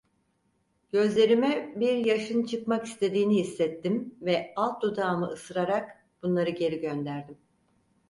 Gözlerime bir yaşın çıkmak istediğini hissettim ve alt dudağımı ısırarak bunları geri gönderdim.